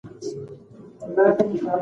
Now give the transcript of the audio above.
ټولنیز نهادونه د ټولنې د نظم بنسټ جوړوي.